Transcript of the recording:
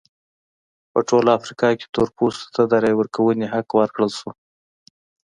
په ټوله افریقا کې تور پوستو ته د رایې ورکونې حق ورکړل شو.